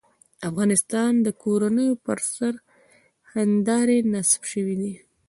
د افغانستان د کورونو پر سر هندارې نصب شوې دي.